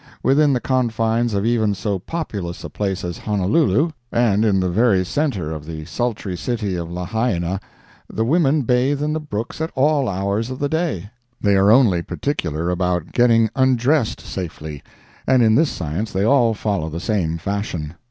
Within the confines of even so populous a place as Honolulu, and in the very center of the sultry city of Lahaina, the women bathe in the brooks at all hours of the day. They are only particular about getting undressed safely, and in this science they all follow the same fashion.